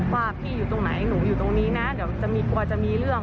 ว่าพี่อยู่ตรงไหนหนูอยู่ตรงนี้นะเดี๋ยวจะกลัวจะมีเรื่อง